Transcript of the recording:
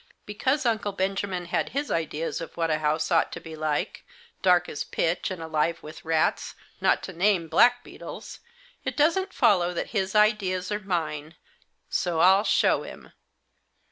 Because Uncle Benjamin had his ideas of what a house ought to be like, dark as pitch, and alive with rats, not to name blackbeetles, it doesn't follow that his ideas are mine, so I'll show him."